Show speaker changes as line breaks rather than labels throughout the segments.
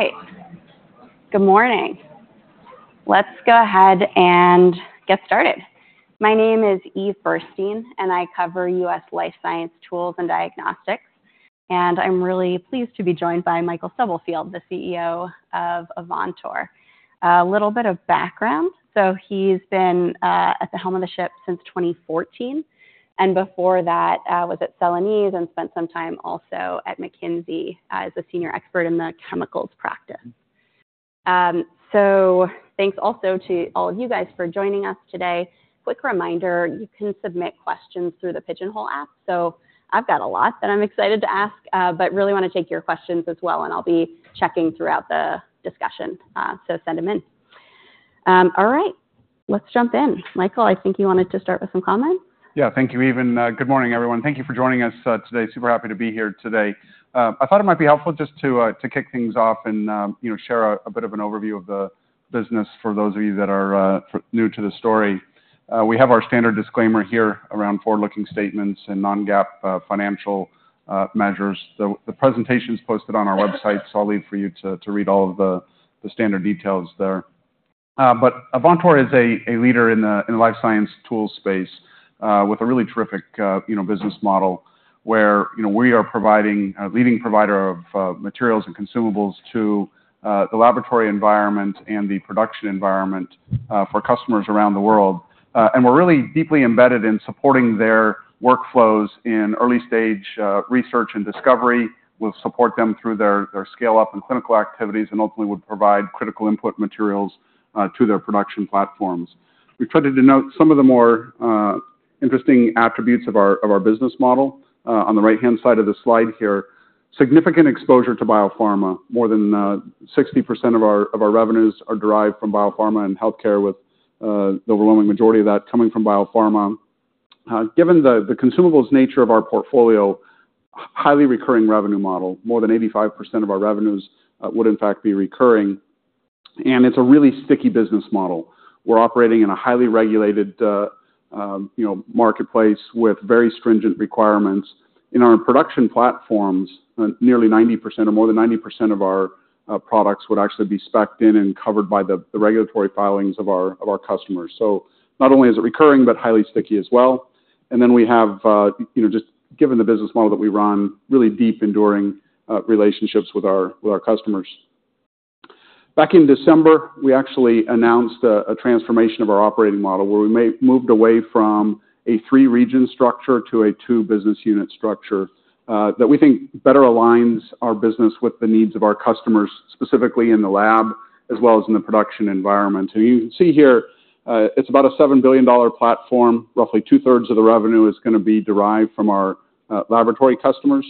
All right. Good morning. Let's go ahead and get started. My name is Eve Burstein, and I cover U.S. Life Science Tools and Diagnostics, and I'm really pleased to be joined by Michael Stubblefield, the CEO of Avantor. A little bit of background. So he's been at the helm of the ship since 2014, and before that, was at Celanese and spent some time also at McKinsey as a senior expert in the chemicals practice. So thanks also to all of you guys for joining us today. Quick reminder, you can submit questions through the Pigeonhole app, so I've got a lot that I'm excited to ask, but really wanna take your questions as well, and I'll be checking throughout the discussion, so send them in. All right, let's jump in. Michael, I think you wanted to start with some comments?
Yeah, thank you, Eve, and good morning, everyone. Thank you for joining us, today. Super happy to be here today. I thought it might be helpful just to kick things off and you know, share a bit of an overview of the business for those of you that are new to the story. We have our standard disclaimer here around forward-looking statements and non-GAAP financial measures. The presentation is posted on our website, so I'll leave for you to read all of the standard details there. But Avantor is a leader in the life science tool space with a really terrific, you know, business model, where, you know, we are a leading provider of materials and consumables to the laboratory environment and the production environment for customers around the world. And we're really deeply embedded in supporting their workflows in early stage research and discovery. We'll support them through their scale-up and clinical activities, and ultimately, we provide critical input materials to their production platforms. We've tried to denote some of the more interesting attributes of our business model on the right-hand side of the slide here. Significant exposure to biopharma. More than 60% of our revenues are derived from biopharma and healthcare, with the overwhelming majority of that coming from biopharma. Given the consumables nature of our portfolio, highly recurring revenue model, more than 85% of our revenues would in fact be recurring, and it's a really sticky business model. We're operating in a highly regulated, you know, marketplace with very stringent requirements. In our production platforms, nearly 90% or more than 90% of our products would actually be spec'd in and covered by the regulatory filings of our customers. So not only is it recurring, but highly sticky as well. And then we have, you know, just given the business model that we run, really deep, enduring relationships with our customers. Back in December, we actually announced a transformation of our operating model, where we moved away from a three-region structure to a two business unit structure, that we think better aligns our business with the needs of our customers, specifically in the lab, as well as in the production environment. And you can see here, it's about a $7 billion platform. Roughly two-thirds of the revenue is gonna be derived from our laboratory customers,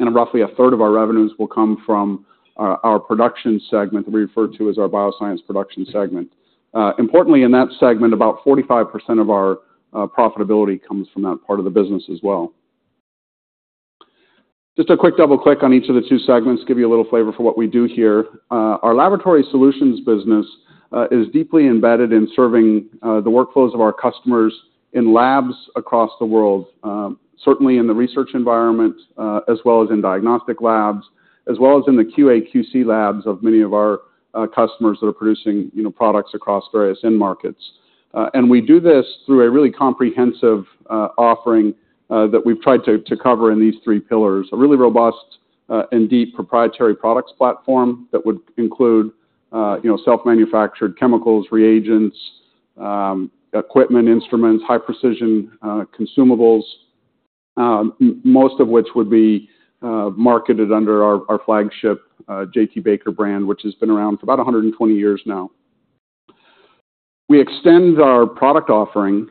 and roughly a third of our revenues will come from our production segment, we refer to as our bioscience production segment. Importantly, in that segment, about 45% of our profitability comes from that part of the business as well. Just a quick double-click on each of the two segments, give you a little flavor for what we do here. Our laboratory solutions business is deeply embedded in serving the workflows of our customers in labs across the world, certainly in the research environment, as well as in diagnostic labs, as well as in the QA/QC labs of many of our customers that are producing, you know, products across various end markets. And we do this through a really comprehensive offering that we've tried to cover in these three pillars. A really robust and deep proprietary products platform that would include, you know, self-manufactured chemicals, reagents, equipment, instruments, high precision consumables, most of which would be marketed under our flagship J.T. Baker brand, which has been around for about 120 years now. We extend our product offering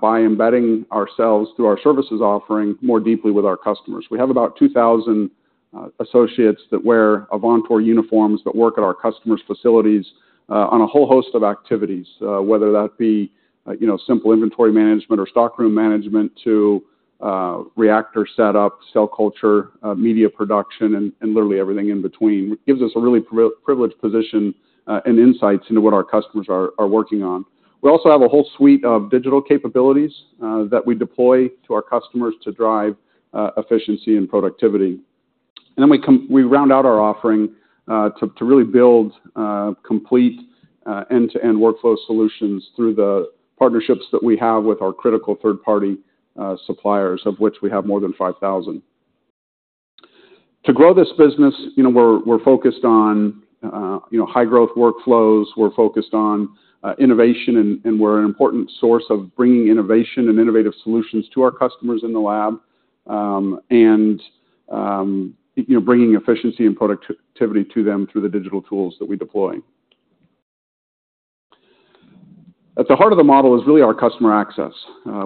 by embedding ourselves through our services offering more deeply with our customers. We have about 2,000 associates that wear Avantor uniforms that work at our customers' facilities on a whole host of activities, whether that be, you know, simple inventory management or stock room management to reactor setup, cell culture, media production, and literally everything in between. It gives us a really privileged position and insights into what our customers are working on. We also have a whole suite of digital capabilities that we deploy to our customers to drive efficiency and productivity. And then we round out our offering to really build complete end-to-end workflow solutions through the partnerships that we have with our critical third-party suppliers, of which we have more than 5,000. To grow this business, you know, we're focused on, you know, high growth workflows, we're focused on innovation, and we're an important source of bringing innovation and innovative solutions to our customers in the lab, and you know, bringing efficiency and productivity to them through the digital tools that we deploy. At the heart of the model is really our customer access.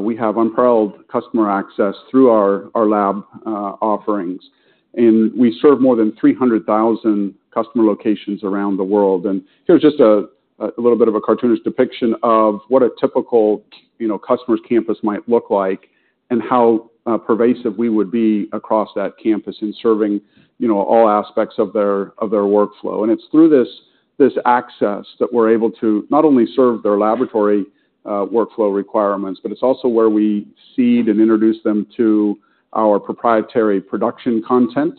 We have unparalleled customer access through our lab offerings, and we serve more than 300,000 customer locations around the world. Here's just a little bit of a cartoonish depiction of what a typical, you know, customer's campus might look like and how pervasive we would be across that campus in serving, you know, all aspects of their workflow. It's through this access that we're able to not only serve their laboratory workflow requirements, but it's also where we seed and introduce them to our proprietary production content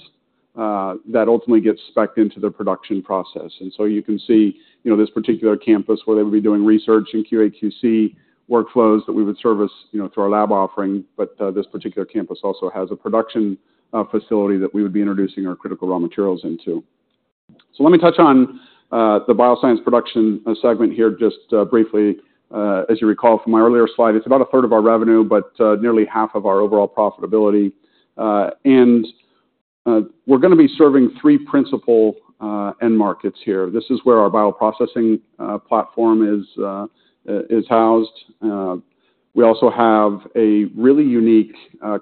that ultimately gets specced into the production process. So you can see, you know, this particular campus where they would be doing research and QA/QC workflows that we would service, you know, through our lab offering, but this particular campus also has a production facility that we would be introducing our critical raw materials into. Let me touch on the bioscience production segment here just briefly. As you recall from my earlier slide, it's about a third of our revenue, but nearly half of our overall profitability. We're gonna be serving three principal end markets here. This is where our bioprocessing platform is housed. We also have a really unique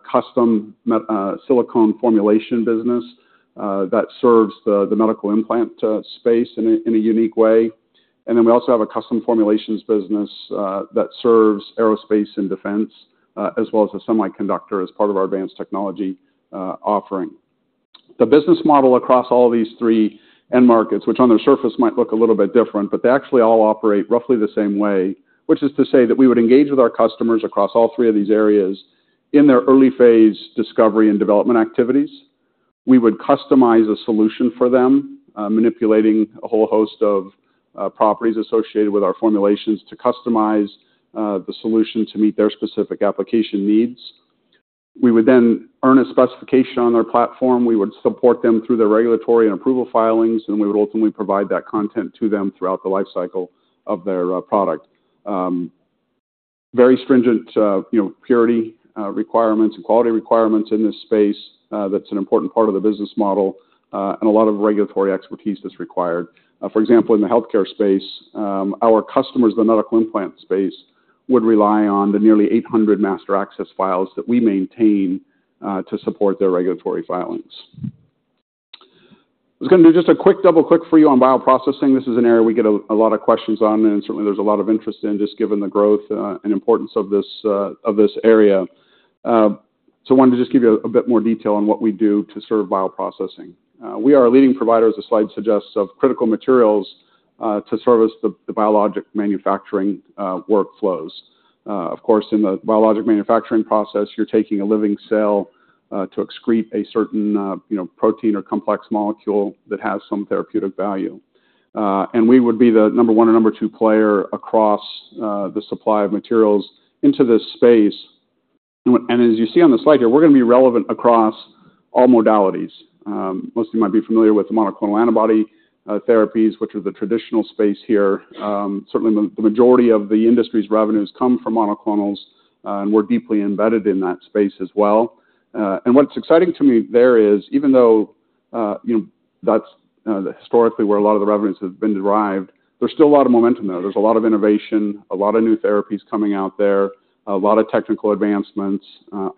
custom medical silicone formulation business that serves the medical implant space in a unique way. We also have a custom formulations business that serves aerospace and defense as well as the semiconductor as part of our advanced technology offering. The business model across all these three end markets, which on the surface might look a little bit different, but they actually all operate roughly the same way, which is to say that we would engage with our customers across all three of these areas in their early phase discovery and development activities. We would customize a solution for them, manipulating a whole host of properties associated with our formulations to customize the solution to meet their specific application needs. We would then earn a specification on their platform. We would support them through their regulatory and approval filings, and we would ultimately provide that content to them throughout the lifecycle of their product. Very stringent, you know, purity requirements and quality requirements in this space. That's an important part of the business model, and a lot of regulatory expertise that's required. For example, in the healthcare space, our customers in the medical implant space would rely on the nearly 800 Master Access Files that we maintain to support their regulatory filings. I was gonna do just a quick double-click for you on bioprocessing. This is an area we get a lot of questions on, and certainly there's a lot of interest in just given the growth and importance of this area. So wanted to just give you a bit more detail on what we do to serve bioprocessing. We are a leading provider, as the slide suggests, of critical materials to service the biologic manufacturing workflows. Of course, in the biologic manufacturing process, you're taking a living cell to excrete a certain, you know, protein or complex molecule that has some therapeutic value. And we would be the number 1 or number 2 player across the supply of materials into this space. And as you see on the slide here, we're gonna be relevant across all modalities. Most of you might be familiar with the monoclonal antibody therapies, which are the traditional space here. Certainly, the majority of the industry's revenues come from monoclonals, and we're deeply embedded in that space as well. And what's exciting to me there is, even though, you know, that's historically where a lot of the revenues have been derived, there's still a lot of momentum there. There's a lot of innovation, a lot of new therapies coming out there, a lot of technical advancements,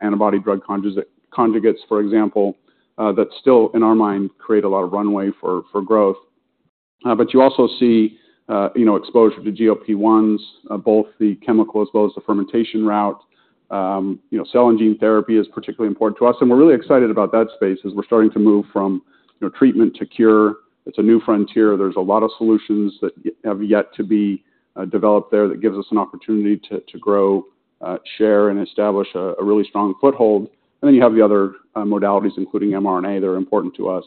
antibody-drug conjugates, for example, that still, in our mind, create a lot of runway for growth. But you also see, you know, exposure to GLP-1s, both the chemical as well as the fermentation route. You know, cell and gene therapy is particularly important to us, and we're really excited about that space as we're starting to move from, you know, treatment to cure. It's a new frontier. There's a lot of solutions that have yet to be developed there that gives us an opportunity to grow, share, and establish a really strong foothold. And then you have the other modalities, including mRNA, that are important to us.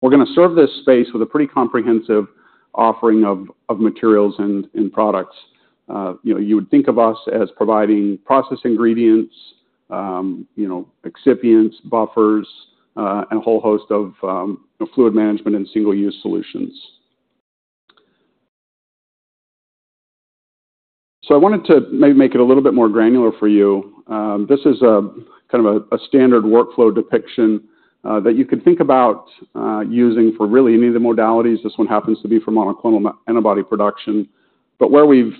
We're gonna serve this space with a pretty comprehensive offering of materials and products. You know, you would think of us as providing process ingredients, you know, excipients, buffers, and a whole host of fluid management and single-use solutions. So I wanted to make it a little bit more granular for you. This is kind of a standard workflow depiction that you could think about using for really any of the modalities. This one happens to be for monoclonal antibody production, but where we've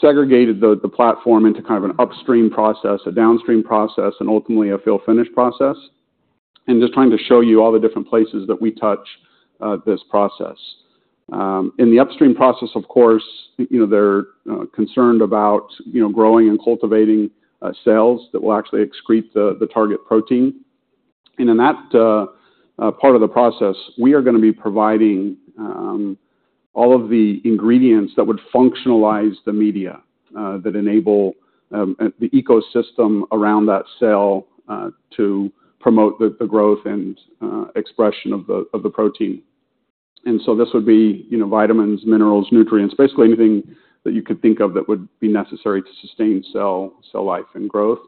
segregated the platform into kind of an upstream process, a downstream process, and ultimately a fill-finish process, and just trying to show you all the different places that we touch this process. In the upstream process, of course, you know, they're concerned about, you know, growing and cultivating cells that will actually excrete the target protein. In that part of the process, we are gonna be providing all of the ingredients that would functionalize the media that enable the ecosystem around that cell to promote the growth and expression of the protein. And so this would be, you know, vitamins, minerals, nutrients, basically anything that you could think of that would be necessary to sustain cell life and growth.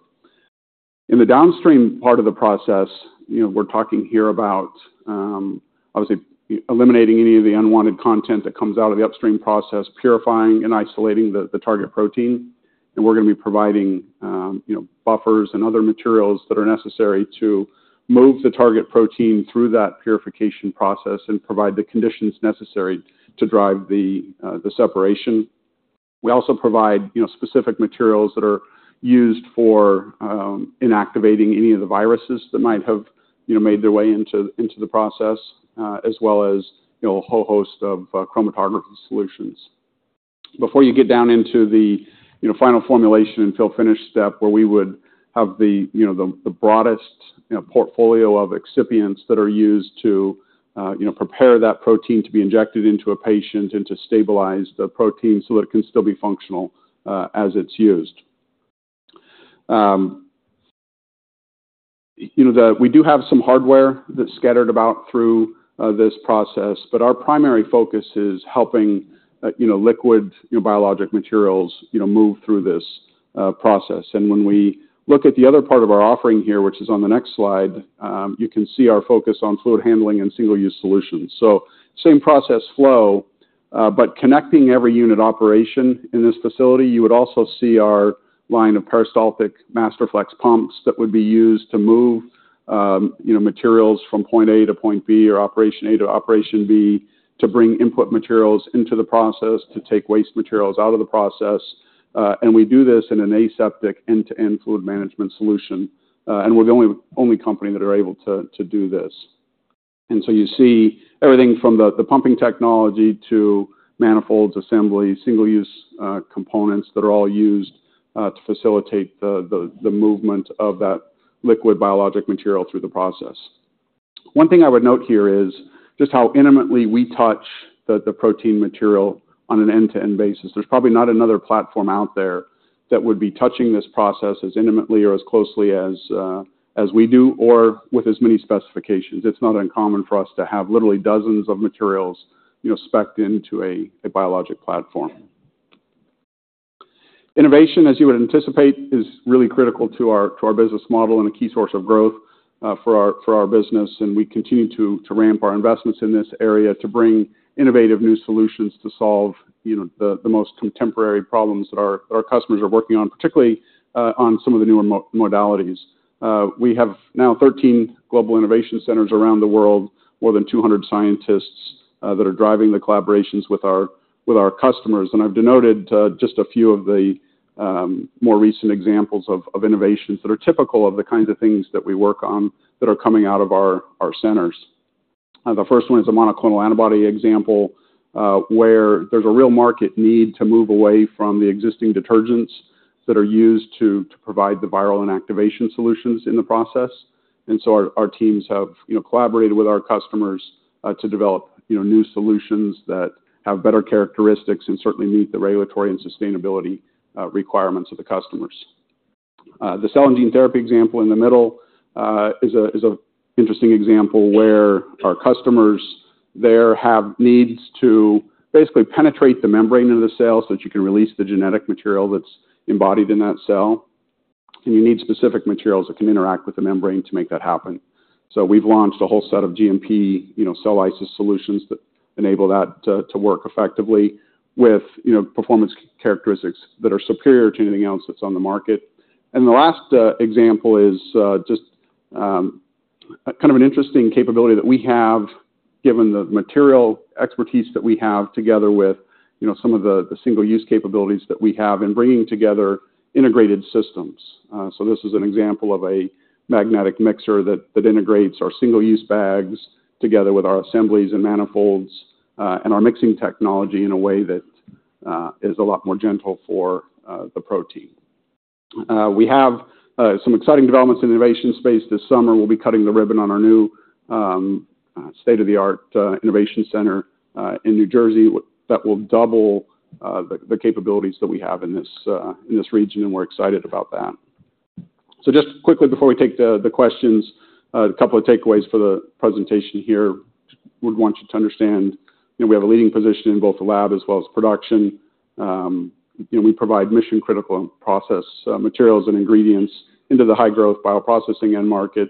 In the downstream part of the process, you know, we're talking here about, obviously, eliminating any of the unwanted content that comes out of the upstream process, purifying and isolating the target protein, and we're gonna be providing, you know, buffers and other materials that are necessary to move the target protein through that purification process and provide the conditions necessary to drive the separation. We also provide, you know, specific materials that are used for inactivating any of the viruses that might have, you know, made their way into the process, as well as, you know, a whole host of chromatography solutions.... Before you get down into the, you know, final formulation and fill-finish step, where we would have the, you know, the broadest, you know, portfolio of excipients that are used to, you know, prepare that protein to be injected into a patient and to stabilize the protein so that it can still be functional, as it's used. You know, the—we do have some hardware that's scattered about through this process, but our primary focus is helping, you know, liquid biologic materials, you know, move through this process. And when we look at the other part of our offering here, which is on the next slide, you can see our focus on fluid handling and single-use solutions. So same process flow, but connecting every unit operation in this facility, you would also see our line of peristaltic Masterflex pumps that would be used to move, you know, materials from point A to point B or operation A to operation B, to bring input materials into the process, to take waste materials out of the process, and we do this in an aseptic, end-to-end fluid management solution, and we're the only, only company that are able to, to do this. And so you see everything from the pumping technology to manifolds, assemblies, single-use components that are all used to facilitate the movement of that liquid biologic material through the process. One thing I would note here is just how intimately we touch the protein material on an end-to-end basis. There's probably not another platform out there that would be touching this process as intimately or as closely as we do, or with as many specifications. It's not uncommon for us to have literally dozens of materials, you know, specced into a biologic platform. Innovation, as you would anticipate, is really critical to our business model and a key source of growth for our business, and we continue to ramp our investments in this area to bring innovative new solutions to solve, you know, the most contemporary problems that our customers are working on, particularly on some of the newer modalities. We have now 13 global innovation centers around the world, more than 200 scientists that are driving the collaborations with our customers. I've denoted just a few of the more recent examples of innovations that are typical of the kinds of things that we work on that are coming out of our centers. The first one is a monoclonal antibody example, where there's a real market need to move away from the existing detergents that are used to provide the viral inactivation solutions in the process. So our teams have, you know, collaborated with our customers to develop, you know, new solutions that have better characteristics and certainly meet the regulatory and sustainability requirements of the customers. The Cell and Gene Therapy example in the middle is an interesting example where our customers there have needs to basically penetrate the membrane of the cell so that you can release the genetic material that's embodied in that cell. And you need specific materials that can interact with the membrane to make that happen. So we've launched a whole set of GMP, you know, cell lysis solutions that enable that to work effectively with, you know, performance characteristics that are superior to anything else that's on the market. And the last example is just kind of an interesting capability that we have, given the material expertise that we have together with, you know, some of the single-use capabilities that we have in bringing together integrated systems. So this is an example of a magnetic mixer that integrates our single-use bags together with our assemblies and manifolds, and our mixing technology in a way that is a lot more gentle for the protein. We have some exciting developments in the innovation space. This summer, we'll be cutting the ribbon on our new state-of-the-art innovation center in New Jersey that will double the capabilities that we have in this region, and we're excited about that. So just quickly before we take the questions, a couple of takeaways for the presentation here. Would want you to understand, you know, we have a leading position in both the lab as well as production. You know, we provide mission-critical and process materials and ingredients into the high-growth bioprocessing end market,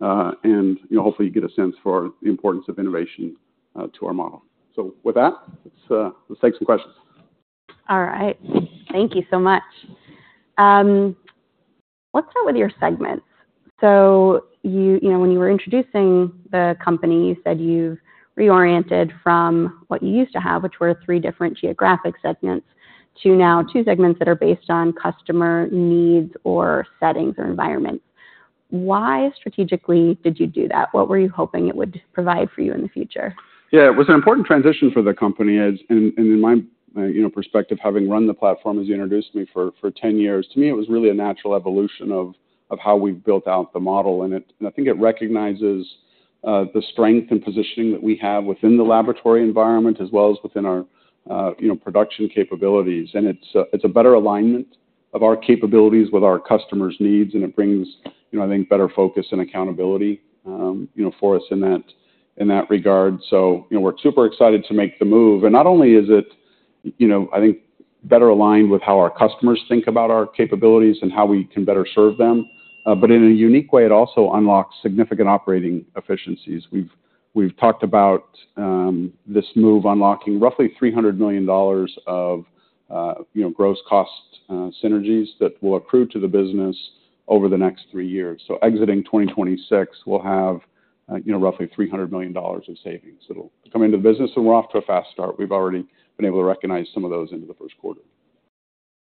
and, you know, hopefully, you get a sense for the importance of innovation to our model. So with that, let's take some questions.
All right. Thank you so much. Let's start with your segments. So you, you know, when you were introducing the company, you said you've reoriented from what you used to have, which were three different geographic segments, to now two segments that are based on customer needs or settings or environment. Why, strategically, did you do that? What were you hoping it would provide for you in the future?
Yeah, it was an important transition for the company as and in my, you know, perspective, having run the platform as you introduced me, for 10 years, to me, it was really a natural evolution of how we've built out the model. And it I think it recognizes the strength and positioning that we have within the laboratory environment, as well as within our, you know, production capabilities. And it's a, it's a better alignment of our capabilities with our customers' needs, and it brings, you know, I think, better focus and accountability, you know, for us in that regard. So, you know, we're super excited to make the move. Not only is it, you know, I think, better aligned with how our customers think about our capabilities and how we can better serve them, but in a unique way, it also unlocks significant operating efficiencies. We've talked about this move unlocking roughly $300 million of, you know, gross cost synergies that will accrue to the business over the next three years. Exiting 2026, we'll have, you know, roughly $300 million in savings that'll come into the business, and we're off to a fast start. We've already been able to recognize some of those into the first quarter....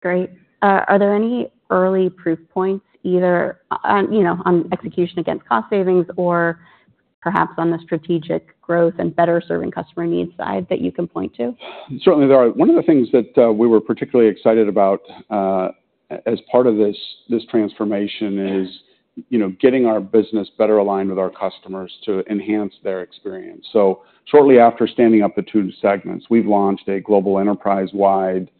Great. Are there any early proof points either on, you know, on execution against cost savings or perhaps on the strategic growth and better serving customer needs side that you can point to?
Certainly, there are. One of the things that we were particularly excited about as part of this transformation is, you know, getting our business better aligned with our customers to enhance their experience. So shortly after standing up the two segments, we've launched a global enterprise-wide,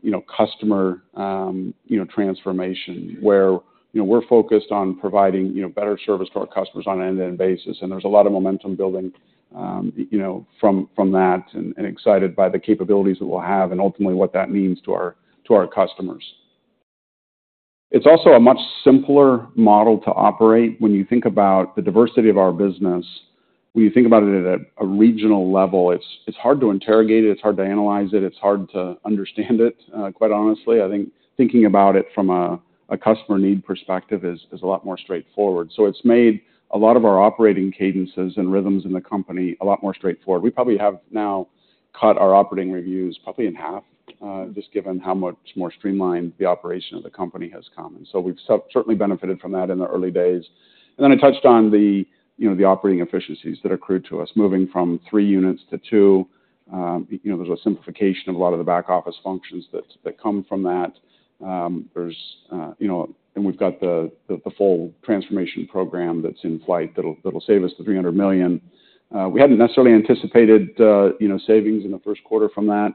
you know, customer, you know, transformation, where, you know, we're focused on providing, you know, better service to our customers on an end-to-end basis, and there's a lot of momentum building, you know, from that and excited by the capabilities that we'll have and ultimately what that means to our customers. It's also a much simpler model to operate when you think about the diversity of our business. When you think about it at a regional level, it's hard to interrogate it. It's hard to analyze it. It's hard to understand it, quite honestly. I think thinking about it from a customer need perspective is a lot more straightforward. So it's made a lot of our operating cadences and rhythms in the company a lot more straightforward. We probably have now cut our operating reviews probably in half, just given how much more streamlined the operation of the company has come. So we've certainly benefited from that in the early days. And then I touched on the, you know, the operating efficiencies that accrued to us, moving from 3 units to 2. You know, there's a simplification of a lot of the back office functions that come from that. You know, and we've got the full transformation program that's in flight that'll save us $300 million. We hadn't necessarily anticipated, you know, savings in the first quarter from that,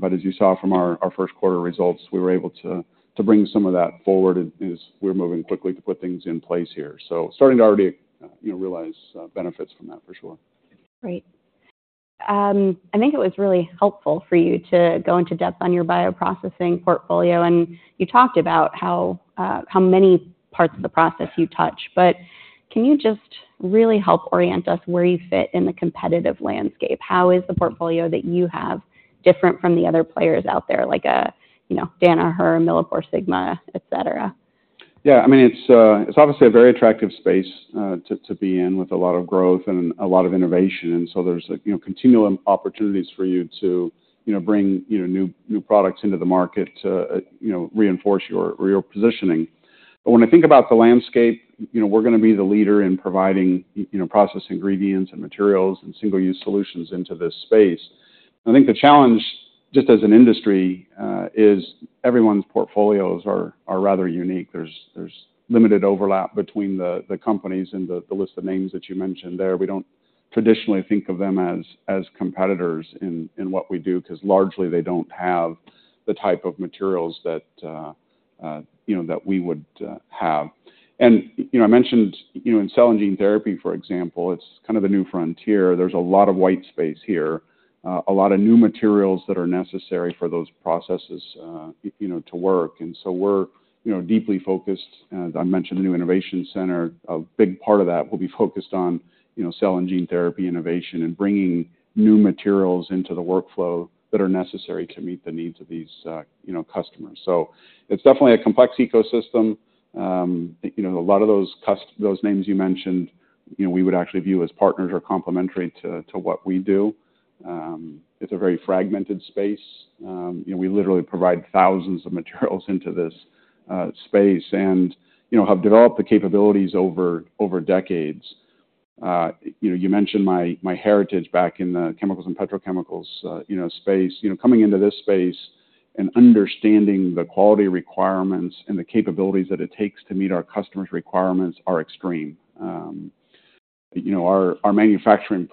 but as you saw from our first quarter results, we were able to bring some of that forward as we're moving quickly to put things in place here. So starting to already, you know, realize benefits from that for sure.
Great. I think it was really helpful for you to go into depth on your bioprocessing portfolio, and you talked about how how many parts of the process you touch, but can you just really help orient us where you fit in the competitive landscape? How is the portfolio that you have different from the other players out there, like, you know, Danaher, MilliporeSigma, et cetera?
Yeah, I mean, it's obviously a very attractive space to be in, with a lot of growth and a lot of innovation, and so there's, you know, continual opportunities for you to, you know, bring, you know, new products into the market to, you know, reinforce your positioning. But when I think about the landscape, you know, we're going to be the leader in providing, you know, process ingredients and materials and single-use solutions into this space. I think the challenge, just as an industry, is everyone's portfolios are rather unique. There's limited overlap between the companies and the list of names that you mentioned there. We don't traditionally think of them as competitors in what we do, 'cause largely they don't have the type of materials that you know that we would have. And you know I mentioned you know in cell and gene therapy, for example, it's kind of the new frontier. There's a lot of white space here, a lot of new materials that are necessary for those processes you know to work. And so we're you know deeply focused. I mentioned the new innovation center. A big part of that will be focused on you know cell and gene therapy innovation and bringing new materials into the workflow that are necessary to meet the needs of these you know customers. So it's definitely a complex ecosystem. You know, a lot of those customers, those names you mentioned, you know, we would actually view as partners or complementary to what we do. It's a very fragmented space. You know, we literally provide thousands of materials into this space and, you know, have developed the capabilities over decades. You know, you mentioned my heritage back in the chemicals and petrochemicals space. You know, coming into this space and understanding the quality requirements and the capabilities that it takes to meet our customers' requirements are extreme. You know, our manufacturing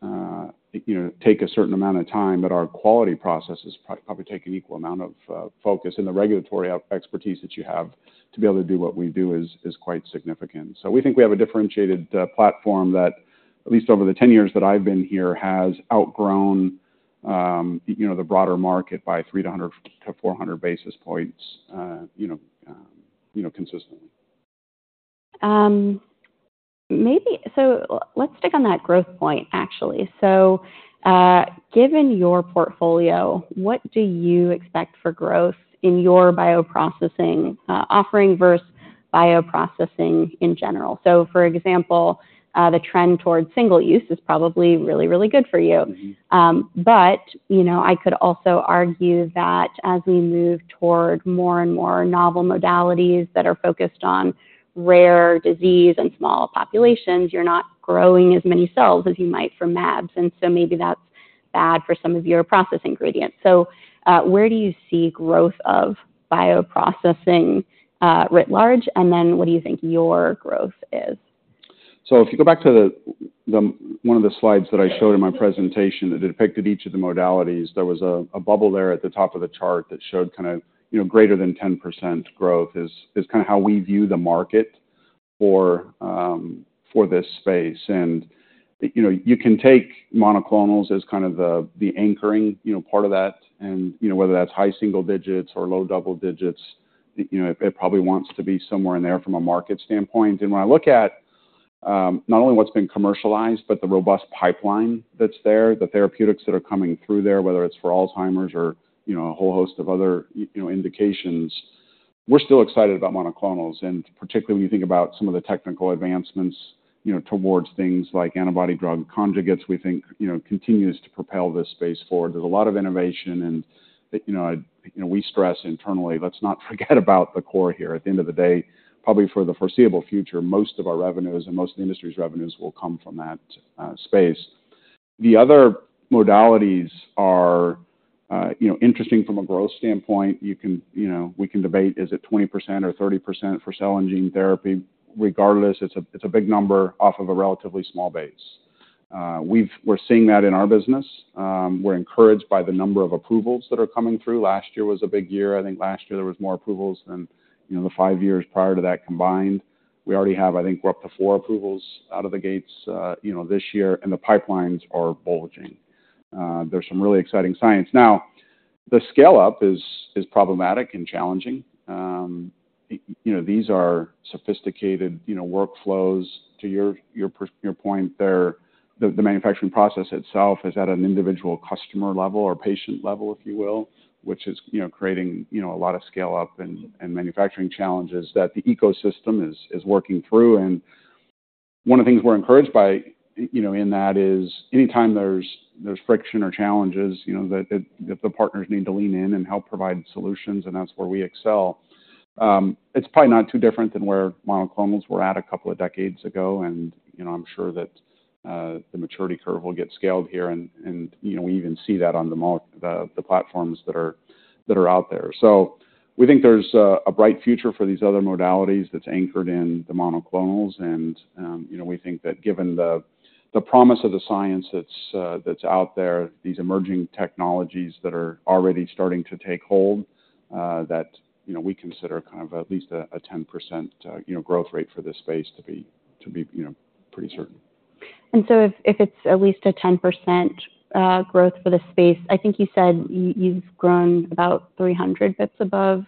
processes take a certain amount of time, but our quality processes probably take an equal amount of focus, and the regulatory expertise that you have to be able to do what we do is quite significant. We think we have a differentiated platform that, at least over the 10 years that I've been here, has outgrown, you know, the broader market by 300-400 basis points, you know, consistently.
Maybe, so let's stick on that growth point, actually. So, given your portfolio, what do you expect for growth in your bioprocessing offering versus bioprocessing in general? So for example, the trend towards single use is probably really, really good for you.
Mm-hmm.
But, you know, I could also argue that as we move toward more and more novel modalities that are focused on rare disease and small populations, you're not growing as many cells as you might for mAbs, and so maybe that's bad for some of your process ingredients. So, where do you see growth of bioprocessing writ large, and then what do you think your growth is?
So if you go back to the one of the slides that I showed in my presentation that depicted each of the modalities, there was a bubble there at the top of the chart that showed kind of, you know, greater than 10% growth is kind of how we view the market for this space. And, you know, you can take monoclonals as kind of the anchoring, you know, part of that, and, you know, whether that's high single digits or low double digits, you know, it probably wants to be somewhere in there from a market standpoint. And when I look at not only what's been commercialized, but the robust pipeline that's there, the therapeutics that are coming through there, whether it's for Alzheimer's or, you know, a whole host of other you know, indications-... We're still excited about monoclonals, and particularly when you think about some of the technical advancements, you know, towards things like antibody drug conjugates, we think, you know, continues to propel this space forward. There's a lot of innovation and, you know, I, you know, we stress internally, let's not forget about the core here. At the end of the day, probably for the foreseeable future, most of our revenues and most of the industry's revenues will come from that space. The other modalities are, you know, interesting from a growth standpoint. You can, you know, we can debate is it 20% or 30% for cell and gene therapy. Regardless, it's a big number off of a relatively small base. We're seeing that in our business. We're encouraged by the number of approvals that are coming through. Last year was a big year. I think last year there was more approvals than, you know, the five years prior to that combined. We already have, I think, we're up to four approvals out of the gates, you know, this year, and the pipelines are bulging. There's some really exciting science. Now, the scale-up is problematic and challenging. You know, these are sophisticated, you know, workflows. To your point, they're the manufacturing process itself is at an individual customer level or patient level, if you will, which is, you know, creating, you know, a lot of scale-up and manufacturing challenges that the ecosystem is working through. And one of the things we're encouraged by, you know, in that is anytime there's friction or challenges, you know, that the partners need to lean in and help provide solutions, and that's where we excel. It's probably not too different than where monoclonals were at a couple of decades ago, and, you know, I'm sure that the maturity curve will get scaled here, and you know, we even see that on the platforms that are out there. So we think there's a bright future for these other modalities that's anchored in the monoclonals, and, you know, we think that given the promise of the science that's out there, these emerging technologies that are already starting to take hold, that, you know, we consider kind of at least a 10%, you know, growth rate for this space to be, you know, pretty certain.
And so if, if it's at least a 10%, growth for the space, I think you said y- you've grown about 300, that's above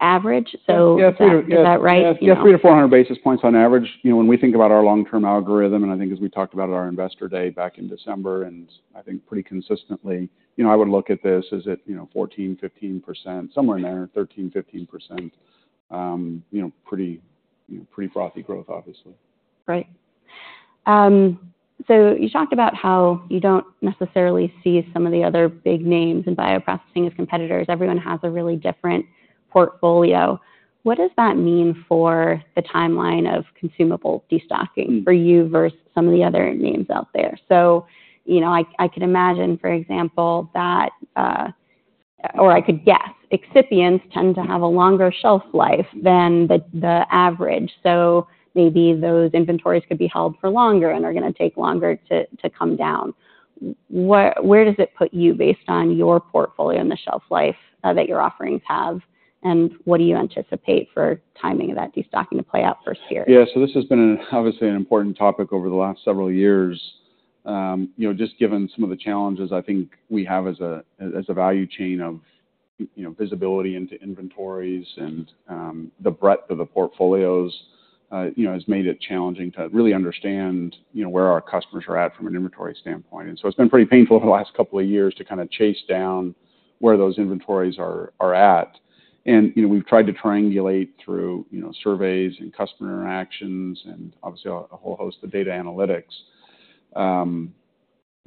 average, so-
Yeah.
Is that right?
Yes, yeah, 300-400 basis points on average. You know, when we think about our long-term algorithm, and I think as we talked about at our Investor Day back in December, and I think pretty consistently, you know, I would look at this as at, you know, 14%-15%, somewhere in there, 13%-15%. You know, pretty, pretty frothy growth, obviously.
Right. So you talked about how you don't necessarily see some of the other big names in bioprocessing as competitors. Everyone has a really different portfolio. What does that mean for the timeline of consumable destocking for you versus some of the other names out there? So, you know, I could imagine, for example, that, or I could guess, excipients tend to have a longer shelf life than the average. So maybe those inventories could be held for longer and are gonna take longer to come down. Where does it put you based on your portfolio and the shelf life that your offerings have, and what do you anticipate for timing of that destocking to play out first year?
Yeah. So this has been, obviously, an important topic over the last several years. You know, just given some of the challenges, I think we have as a value chain of visibility into inventories and the breadth of the portfolios has made it challenging to really understand where our customers are at from an inventory standpoint. And so it's been pretty painful over the last couple of years to kind of chase down where those inventories are at. And, you know, we've tried to triangulate through surveys and customer interactions and obviously a whole host of data analytics.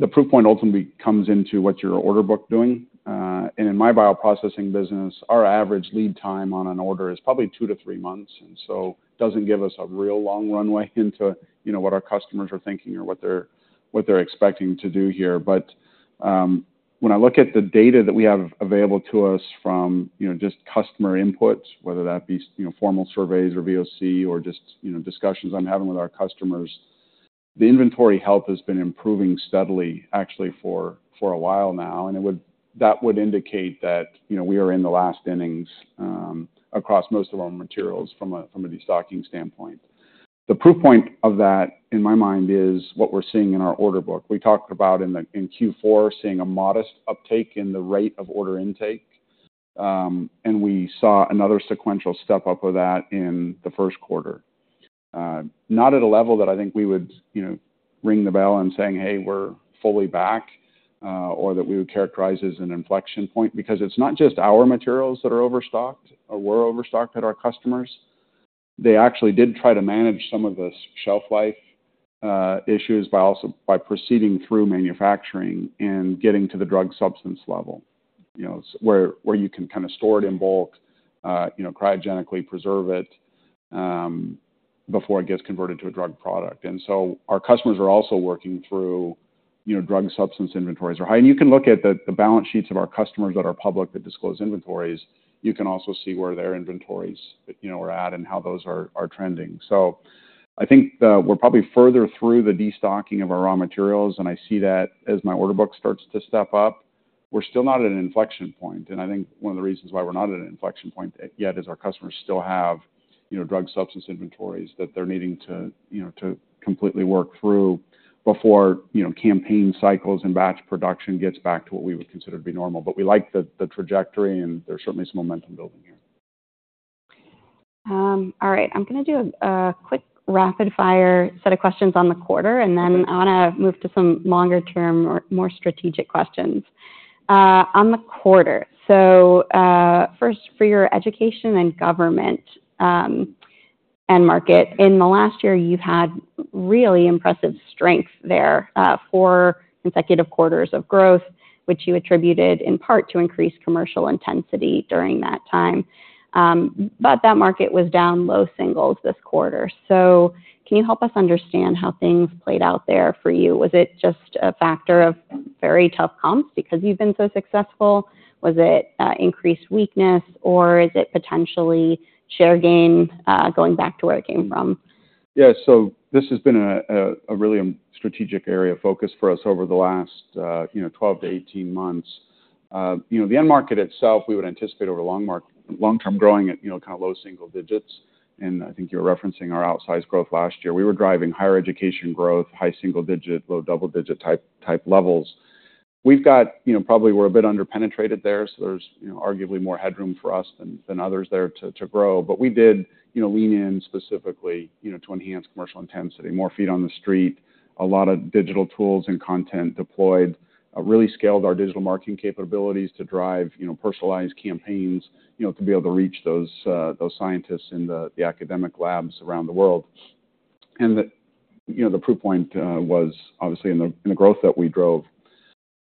The proof point ultimately comes into what your order book doing. And in my bioprocessing business, our average lead time on an order is probably 2-3 months, and so doesn't give us a real long runway into, you know, what our customers are thinking or what they're, what they're expecting to do here. But, when I look at the data that we have available to us from, you know, just customer inputs, whether that be, you know, formal surveys or VOC or just, you know, discussions I'm having with our customers, the inventory health has been improving steadily, actually for a while now, and that would indicate that, you know, we are in the last innings, across most of our materials from a destocking standpoint. The proof point of that, in my mind, is what we're seeing in our order book. We talked about in Q4, seeing a modest uptake in the rate of order intake, and we saw another sequential step up of that in the first quarter. Not at a level that I think we would, you know, ring the bell and saying, "Hey, we're fully back," or that we would characterize as an inflection point, because it's not just our materials that are overstocked or we're overstocked at our customers. They actually did try to manage some of the shelf life issues by also proceeding through manufacturing and getting to the drug substance level, you know, where you can kind of store it in bulk, you know, cryogenically preserve it, before it gets converted to a drug product. And so our customers are also working through, you know, drug substance inventories. And you can look at the balance sheets of our customers that are public, that disclose inventories. You can also see where their inventories, you know, are at and how those are trending. So I think we're probably further through the destocking of our raw materials, and I see that as my order book starts to step up. We're still not at an inflection point, and I think one of the reasons why we're not at an inflection point yet is our customers still have, you know, drug substance inventories that they're needing to, you know, to completely work through before, you know, campaign cycles and batch production gets back to what we would consider to be normal. But we like the trajectory, and there's certainly some momentum building here.
All right, I'm gonna do a quick rapid fire set of questions on the quarter, and then I wanna move to some longer term or more strategic questions. On the quarter, so first, for your education and government end market, in the last year, you've had really impressive strength there, four consecutive quarters of growth, which you attributed in part to increased commercial intensity during that time. But that market was down low singles this quarter. So can you help us understand how things played out there for you? Was it just a factor of very tough comps because you've been so successful? Was it increased weakness, or is it potentially share gain going back to where it came from?
Yeah. So this has been a really strategic area of focus for us over the last 12-18 months. You know, the end market itself, we would anticipate over long-term growing at, you know, kind of low single digits, and I think you're referencing our outsized growth last year. We were driving higher education growth, high single digit, low double digit type levels. We've got, you know, probably we're a bit under-penetrated there, so there's, you know, arguably more headroom for us than others there to grow. But we did, you know, lean in specifically, you know, to enhance commercial intensity, more feet on the street, a lot of digital tools and content deployed, really scaled our digital marketing capabilities to drive, you know, personalized campaigns, you know, to be able to reach those, those scientists in the academic labs around the world. And the, you know, the proof point was obviously in the growth that we drove.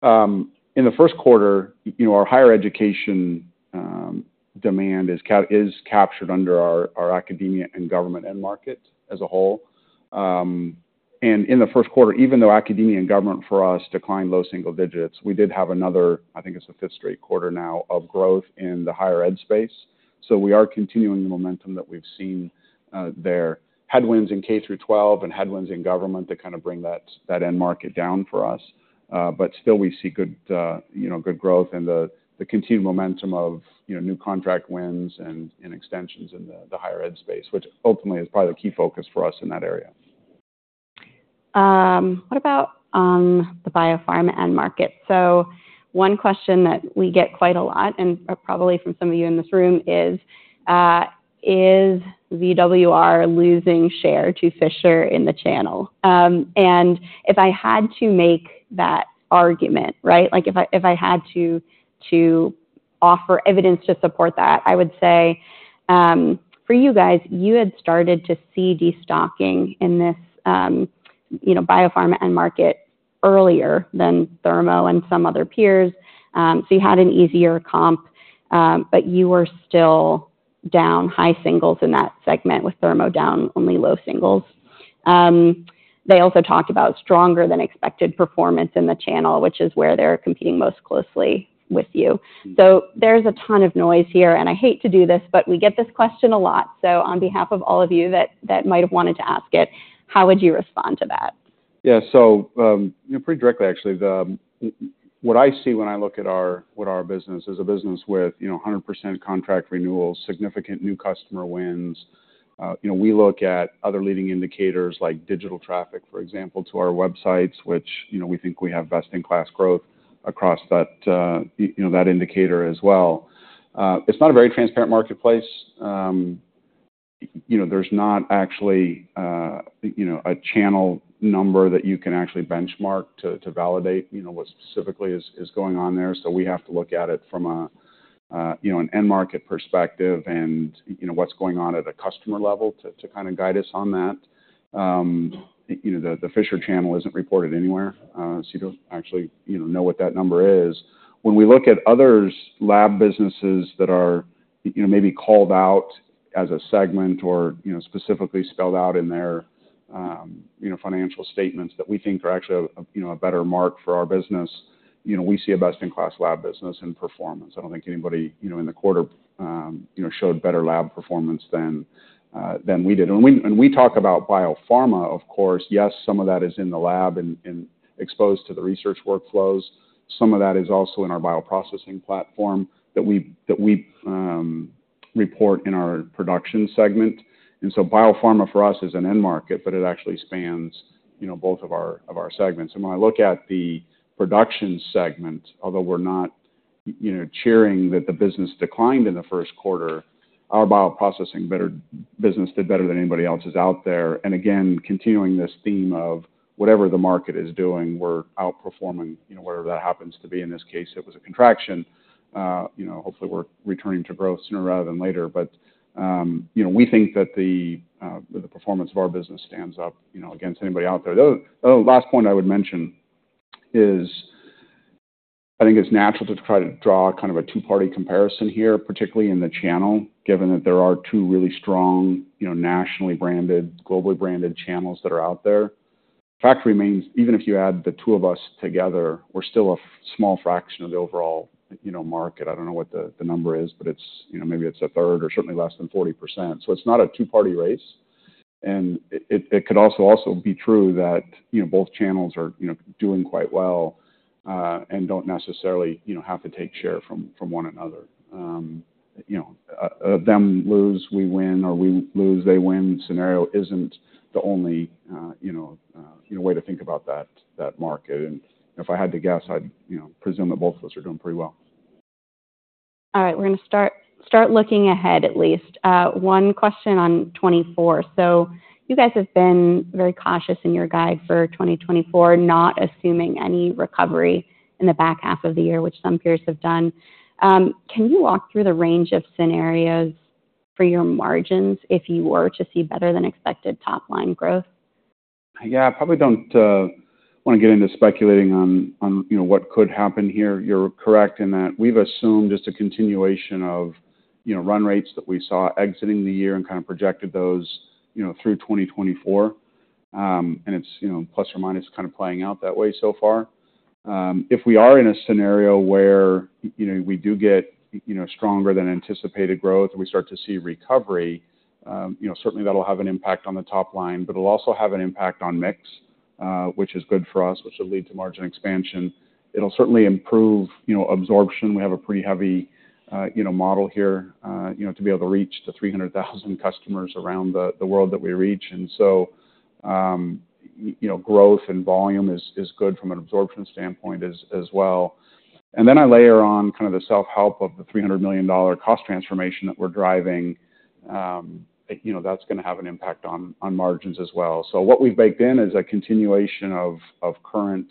In the first quarter, you know, our higher education demand is captured under our academia and government end market as a whole. And in the first quarter, even though academia and government for us declined low single digits, we did have another, I think it's the fifth straight quarter now, of growth in the higher ed space. So we are continuing the momentum that we've seen there. Headwinds in K-12 and headwinds in government that kind of bring that end market down for us. But still we see good, you know, good growth and the continued momentum of, you know, new contract wins and extensions in the higher ed space, which ultimately is probably the key focus for us in that area.
What about the biopharma end market? So one question that we get quite a lot, and, probably from some of you in this room, is, is VWR losing share to Fisher in the channel? And if I had to make that argument, right, like, if I, if I had to, to offer evidence to support that, I would say, for you guys, you had started to see destocking in this, you know, biopharma end market earlier than Thermo and some other peers. So you had an easier comp, but you were still down high singles in that segment, with Thermo down only low singles. They also talked about stronger than expected performance in the channel, which is where they're competing most closely with you. So there's a ton of noise here, and I hate to do this, but we get this question a lot. So on behalf of all of you that might have wanted to ask it, how would you respond to that?
Yeah. So, you know, pretty directly actually, the what I see when I look at our what our business, is a business with, you know, 100% contract renewals, significant new customer wins. You know, we look at other leading indicators like digital traffic, for example, to our websites, which, you know, we think we have best-in-class growth across that, you know, that indicator as well. It's not a very transparent marketplace. You know, there's not actually, you know, a channel number that you can actually benchmark to, to validate, you know, what specifically is, is going on there. So we have to look at it from a, you know, an end market perspective and, you know, what's going on at a customer level to, to kind of guide us on that. You know, the Fisher channel isn't reported anywhere, so you don't actually, you know, know what that number is. When we look at others lab businesses that are, you know, maybe called out as a segment or, you know, specifically spelled out in their, you know, financial statements that we think are actually a, you know, a better mark for our business, you know, we see a best-in-class lab business and performance. I don't think anybody, you know, in the quarter, you know, showed better lab performance than we did. When we talk about biopharma, of course, yes, some of that is in the lab and exposed to the research workflows. Some of that is also in our bioprocessing platform that we report in our production segment. So biopharma for us is an end market, but it actually spans, you know, both of our, of our segments. When I look at the production segment, although we're not, you know, cheering that the business declined in the first quarter, our bioprocessing business did better than anybody else's out there. Again, continuing this theme of whatever the market is doing, we're outperforming, you know, whatever that happens to be. In this case, it was a contraction. You know, hopefully, we're returning to growth sooner rather than later. But you know, we think that the performance of our business stands up, you know, against anybody out there. The last point I would mention is, I think it's natural to try to draw kind of a two-party comparison here, particularly in the channel, given that there are two really strong, you know, nationally branded, globally branded channels that are out there. Fact remains, even if you add the two of us together, we're still a small fraction of the overall, you know, market. I don't know what the number is, but it's, you know, maybe it's a third or certainly less than 40%. So it's not a two-party race, and it could also be true that, you know, both channels are, you know, doing quite well, and don't necessarily, you know, have to take share from one another. You know, them lose, we win, or we lose, they win scenario isn't the only, you know, way to think about that, that market. And if I had to guess, I'd, you know, presume that both of us are doing pretty well....
All right, we're gonna start looking ahead, at least. One question on 2024. So you guys have been very cautious in your guide for 2024, not assuming any recovery in the back half of the year, which some peers have done. Can you walk through the range of scenarios for your margins if you were to see better than expected top-line growth?
Yeah, I probably don't wanna get into speculating on, you know, what could happen here. You're correct in that we've assumed just a continuation of, you know, run rates that we saw exiting the year and kind of projected those, you know, through 2024. And it's, you know, plus or minus, kind of playing out that way so far. If we are in a scenario where, you know, we do get, you know, stronger than anticipated growth, and we start to see recovery, you know, certainly that'll have an impact on the top line, but it'll also have an impact on mix, which is good for us, which will lead to margin expansion. It'll certainly improve, you know, absorption. We have a pretty heavy, you know, model here, you know, to be able to reach the 300,000 customers around the world that we reach. And so, you know, growth and volume is good from an absorption standpoint as well. And then I layer on kind of the self-help of the $300 million cost transformation that we're driving. You know, that's gonna have an impact on margins as well. So what we've baked in is a continuation of current,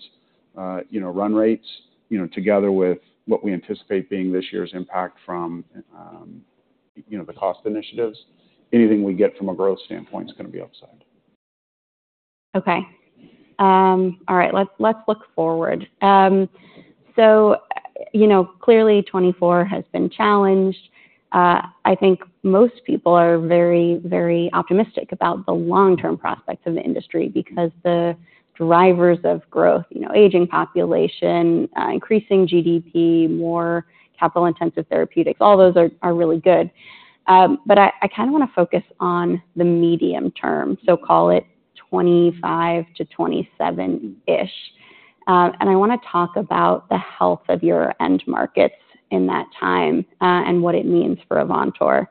you know, run rates, you know, together with what we anticipate being this year's impact from, you know, the cost initiatives. Anything we get from a growth standpoint is gonna be upside.
Okay. All right, let's, let's look forward. So, you know, clearly, 2024 has been challenged. I think most people are very, very optimistic about the long-term prospects of the industry because the drivers of growth, you know, aging population, increasing GDP, more capital-intensive therapeutics, all those are, are really good. But I, I kind of wanna focus on the medium term, so call it 25 to 27-ish. And I wanna talk about the health of your end markets in that time, and what it means for Avantor.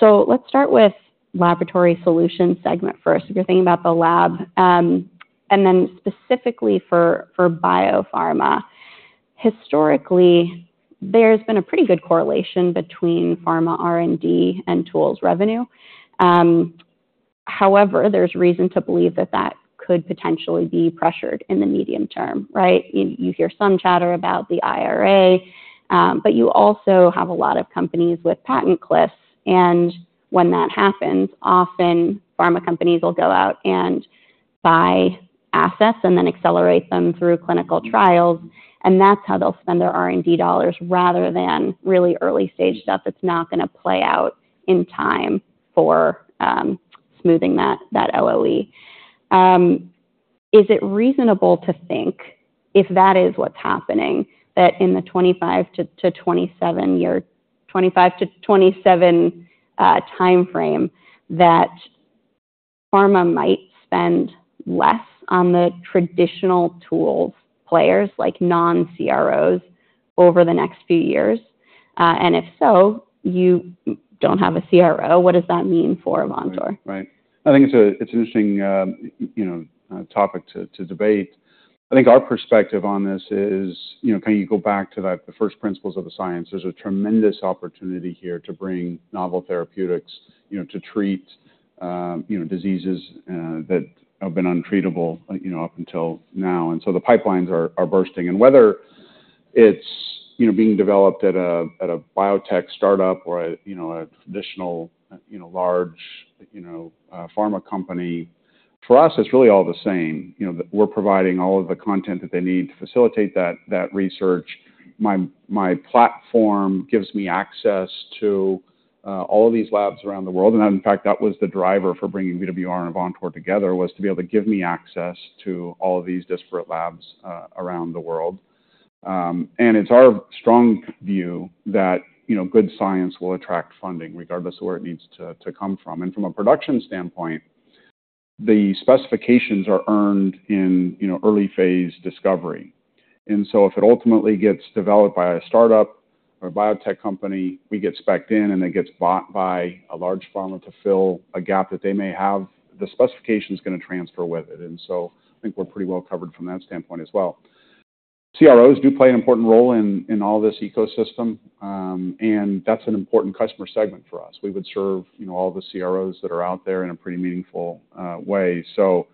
So let's start with laboratory solutions segment first. If you're thinking about the lab, and then specifically for, for biopharma. Historically, there's been a pretty good correlation between pharma R&D and tools revenue. However, there's reason to believe that that could potentially be pressured in the medium term, right? You hear some chatter about the IRA, but you also have a lot of companies with patent cliffs, and when that happens, often pharma companies will go out and buy assets and then accelerate them through clinical trials, and that's how they'll spend their R&D dollars rather than really early-stage stuff that's not gonna play out in time for smoothing that LOE. Is it reasonable to think if that is what's happening, that in the 25-27-year timeframe, that pharma might spend less on the traditional tools players like non-CROs over the next few years? And if so, you don't have a CRO. What does that mean for Avantor?
Right. I think it's an interesting, you know, topic to debate. I think our perspective on this is, you know, can you go back to that, the first principles of the science? There's a tremendous opportunity here to bring novel therapeutics, you know, to treat, you know, diseases that have been untreatable, you know, up until now. And so the pipelines are bursting. And whether it's, you know, being developed at a biotech startup or, you know, a traditional, you know, large pharma company, for us, it's really all the same. You know, we're providing all of the content that they need to facilitate that research. My platform gives me access to all of these labs around the world, and in fact, that was the driver for bringing VWR and Avantor together, was to be able to give me access to all of these disparate labs around the world. And it's our strong view that, you know, good science will attract funding, regardless of where it needs to come from. And from a production standpoint, the specifications are earned in, you know, early phase discovery. And so if it ultimately gets developed by a startup or a biotech company, we get spec'd in, and it gets bought by a large pharma to fill a gap that they may have, the specification is gonna transfer with it, and so I think we're pretty well covered from that standpoint as well. CROs do play an important role in all this ecosystem, and that's an important customer segment for us. We would serve, you know, all the CROs that are out there in a pretty meaningful way. So,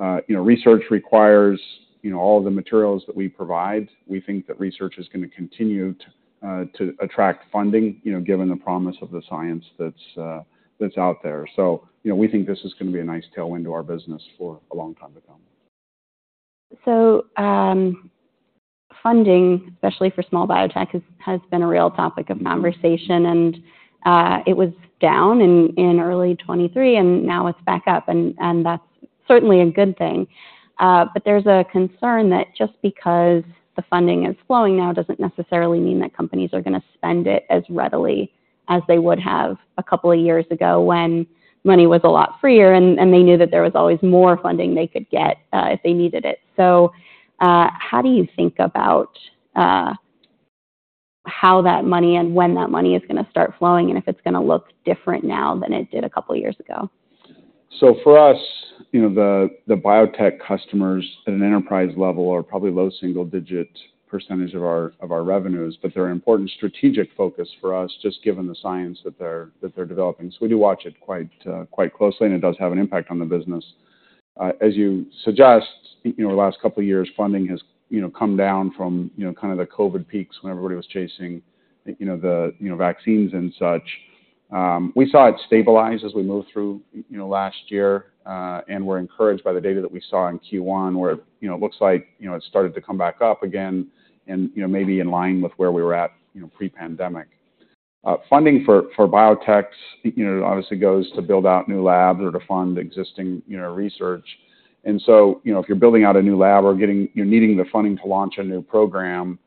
you know, research requires, you know, all of the materials that we provide. We think that research is gonna continue to attract funding, you know, given the promise of the science that's out there. So, you know, we think this is gonna be a nice tailwind to our business for a long time to come.
So, funding, especially for small biotech, has been a real topic of conversation, and it was down in early 2023, and now it's back up. And that's certainly a good thing. But there's a concern that just because the funding is flowing now, doesn't necessarily mean that companies are gonna spend it as readily as they would have a couple of years ago when money was a lot freer and they knew that there was always more funding they could get, if they needed it. So, how do you think about how that money and when that money is gonna start flowing, and if it's gonna look different now than it did a couple of years ago?...
So for us, you know, the biotech customers at an enterprise level are probably low single-digit % of our revenues, but they're an important strategic focus for us, just given the science that they're developing. So we do watch it quite closely, and it does have an impact on the business. As you suggest, you know, the last couple of years, funding has, you know, come down from, you know, kind of the COVID peaks when everybody was chasing, you know, the vaccines and such. We saw it stabilize as we moved through, you know, last year, and we're encouraged by the data that we saw in Q1, where, you know, it looks like, you know, it started to come back up again and, you know, maybe in line with where we were at, you know, pre-pandemic. Funding for, for biotechs, you know, obviously goes to build out new labs or to fund existing, you know, research. So, you know, if you're building out a new lab or getting—you're needing the funding to launch a new program,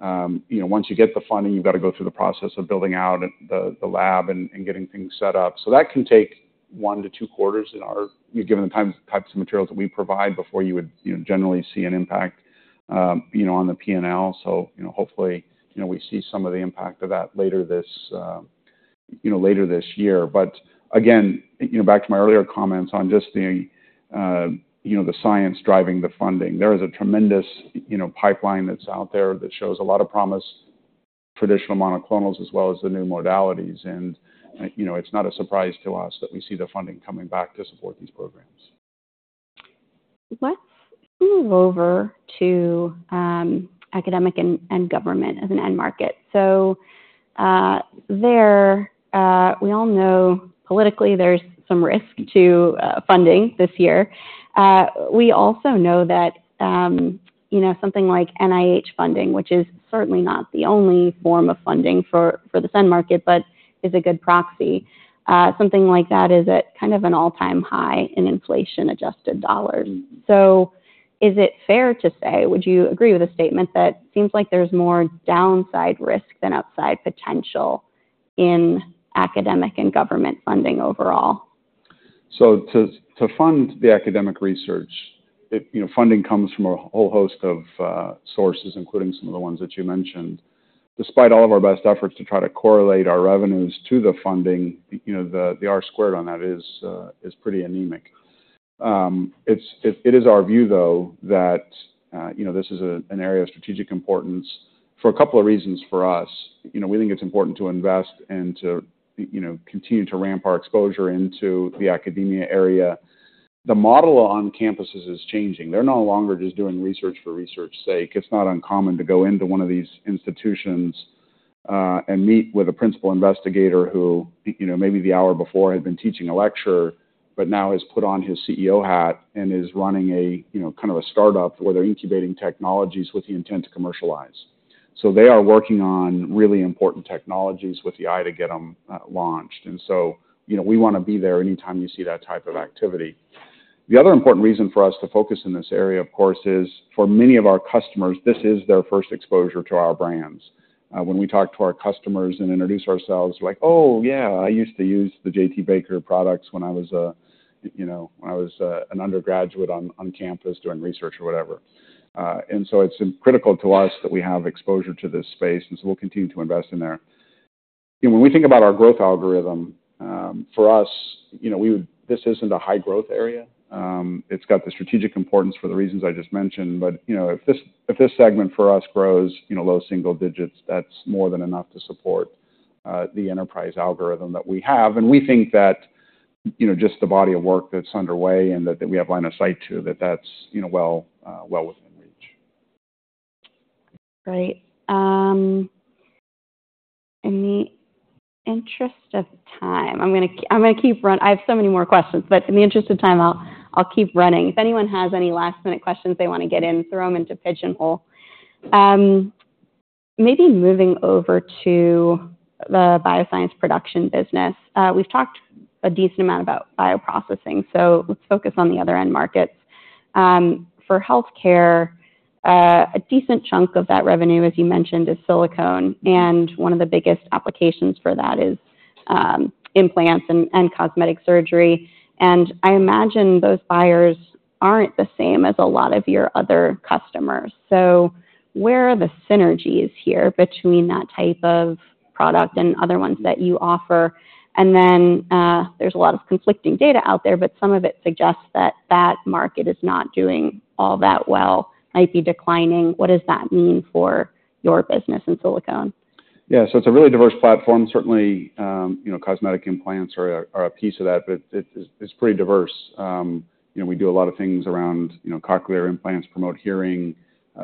you know, once you get the funding, you've got to go through the process of building out the, the lab and, and getting things set up. So that can take 1-2 quarters in our—given the types, types of materials that we provide before you would, you know, generally see an impact, you know, on the P&L. So, you know, hopefully, you know, we see some of the impact of that later this, you know, later this year. But again, you know, back to my earlier comments on just the, you know, the science driving the funding. There is a tremendous, you know, pipeline that's out there that shows a lot of promise, traditional monoclonals, as well as the new modalities. And, you know, it's not a surprise to us that we see the funding coming back to support these programs.
Let's move over to academic and government as an end market. So, we all know politically there's some risk to funding this year. We also know that, you know, something like NIH funding, which is certainly not the only form of funding for the sub-market, but is a good proxy. Something like that is at kind of an all-time high in inflation-adjusted dollars. So is it fair to say, would you agree with the statement that seems like there's more downside risk than upside potential in academic and government funding overall?
So to fund the academic research, you know, funding comes from a whole host of sources, including some of the ones that you mentioned. Despite all of our best efforts to try to correlate our revenues to the funding, you know, the R squared on that is pretty anemic. It is our view, though, that you know, this is an area of strategic importance for a couple of reasons for us. You know, we think it's important to invest and to, you know, continue to ramp our exposure into the academia area. The model on campuses is changing. They're no longer just doing research for research sake. It's not uncommon to go into one of these institutions, and meet with a principal investigator who, you know, maybe the hour before, had been teaching a lecture, but now has put on his CEO hat and is running a, you know, kind of a start-up where they're incubating technologies with the intent to commercialize. So they are working on really important technologies with the eye to get them launched. And so, you know, we want to be there anytime you see that type of activity. The other important reason for us to focus in this area, of course, is for many of our customers, this is their first exposure to our brands. When we talk to our customers and introduce ourselves, like, "Oh, yeah, I used to use the J.T. Baker products when I was a you know an undergraduate on campus doing research or whatever." And so it's critical to us that we have exposure to this space, and so we'll continue to invest in there. When we think about our growth algorithm, for us, you know, we would, this isn't a high-growth area. It's got the strategic importance for the reasons I just mentioned. But, you know, if this segment for us grows, you know, low single digits, that's more than enough to support the enterprise algorithm that we have. We think that, you know, just the body of work that's underway and that we have line of sight to, that's, you know, well, well within reach.
Great. In the interest of time, I'm gonna keep running. I have so many more questions, but in the interest of time, I'll keep running. If anyone has any last-minute questions they want to get in, throw them into Pigeonhole. Maybe moving over to the bioscience production business. We've talked a decent amount about bioprocessing, so let's focus on the other end markets. For healthcare, a decent chunk of that revenue, as you mentioned, is silicone, and one of the biggest applications for that is implants and cosmetic surgery. And I imagine those buyers aren't the same as a lot of your other customers. So where are the synergies here between that type of product and other ones that you offer? Then, there's a lot of conflicting data out there, but some of it suggests that that market is not doing all that well, might be declining. What does that mean for your business in silicone?
Yeah, so it's a really diverse platform. Certainly, you know, cosmetic implants are a piece of that, but it's pretty diverse. You know, we do a lot of things around, you know, cochlear implants, promote hearing,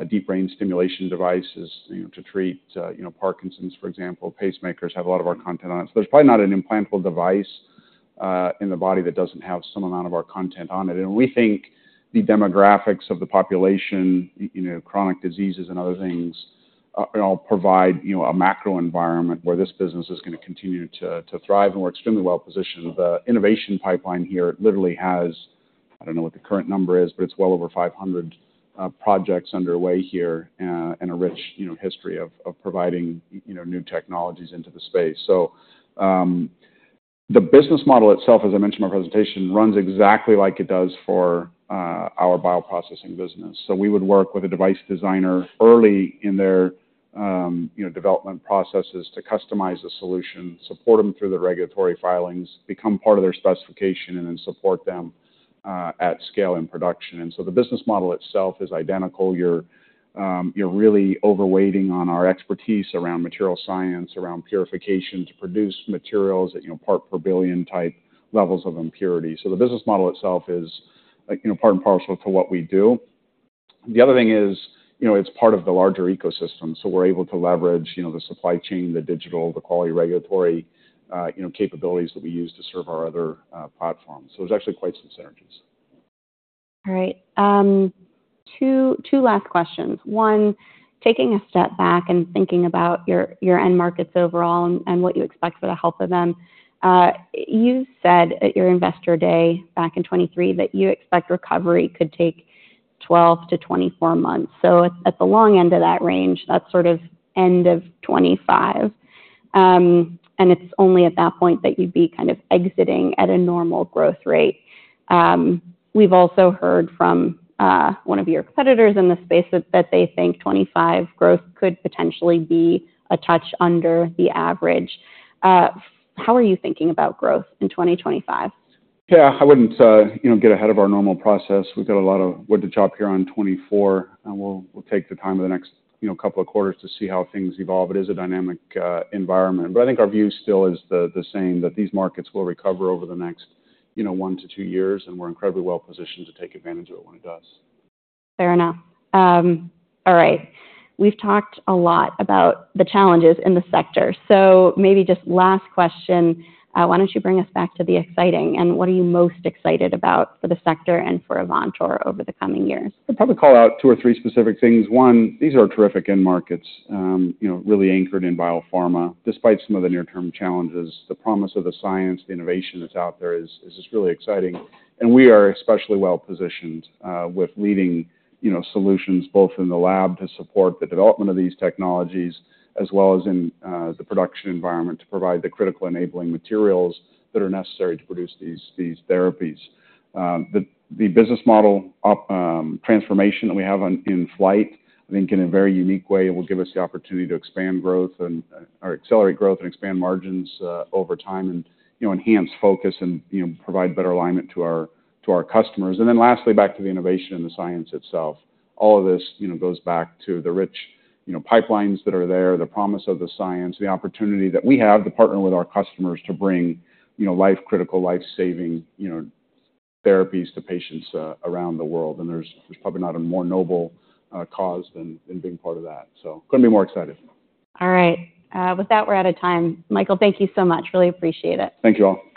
deep brain stimulation devices, you know, to treat, you know, Parkinson's, for example. Pacemakers have a lot of our content on it. So there's probably not an implantable device in the body that doesn't have some amount of our content on it. And we think the demographics of the population, you know, chronic diseases and other things, all provide, you know, a macro environment where this business is gonna continue to thrive, and we're extremely well positioned. The innovation pipeline here literally has, I don't know what the current number is, but it's well over 500 projects underway here, and a rich, you know, history of providing, you know, new technologies into the space. So, the business model itself, as I mentioned in my presentation, runs exactly like it does for our bioprocessing business. So we would work with a device designer early in their, you know, development processes to customize the solution, support them through the regulatory filings, become part of their specification, and then support them at scale in production. And so the business model itself is identical. You're really overweighting on our expertise around material science, around purification, to produce materials at, you know, part per billion type levels of impurity. So the business model itself is, like, you know, part and parcel to what we do. The other thing is, you know, it's part of the larger ecosystem, so we're able to leverage, you know, the supply chain, the digital, the quality regulatory, you know, capabilities that we use to serve our other, platforms. So there's actually quite some synergies.
All right. Two last questions. One, taking a step back and thinking about your, your end markets overall and, and what you expect for the health of them. You said at your Investor Day back in 2023, that you expect recovery could take 12-24 months. So at the long end of that range, that's sort of end of 2025. And it's only at that point that you'd be kind of exiting at a normal growth rate. We've also heard from, one of your competitors in the space that, that they think 2025 growth could potentially be a touch under the average. How are you thinking about growth in 2025?
Yeah, I wouldn't, you know, get ahead of our normal process. We've got a lot of work to do here on 2024, and we'll take the time in the next, you know, couple of quarters to see how things evolve. It is a dynamic environment. But I think our view still is the same, that these markets will recover over the next, you know, 1-2 years, and we're incredibly well positioned to take advantage of it when it does.
Fair enough. All right, we've talked a lot about the challenges in the sector, so maybe just last question, why don't you bring us back to the exciting, and what are you most excited about for the sector and for Avantor over the coming years?
I'd probably call out two or three specific things. One, these are terrific end markets, you know, really anchored in biopharma. Despite some of the near-term challenges, the promise of the science, the innovation that's out there is just really exciting. And we are especially well positioned, with leading, you know, solutions both in the lab to support the development of these technologies, as well as in the production environment, to provide the critical enabling materials that are necessary to produce these therapies. The business model of transformation that we have in flight, I think in a very unique way, will give us the opportunity to expand growth or accelerate growth and expand margins, over time and, you know, enhance focus and, you know, provide better alignment to our customers. And then lastly, back to the innovation and the science itself. All of this, you know, goes back to the rich, you know, pipelines that are there, the promise of the science, the opportunity that we have to partner with our customers to bring, you know, life-critical, life-saving, you know, therapies to patients around the world. And there's probably not a more noble cause than being part of that, so couldn't be more excited.
All right. With that, we're out of time. Michael, thank you so much. Really appreciate it.
Thank you, all.